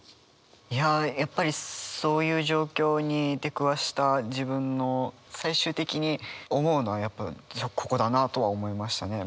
いややっぱりそういう状況に出くわした自分の最終的に思うのはやっぱここだなとは思いましたね。